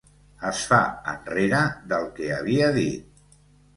Es fa enrere del que havia dit.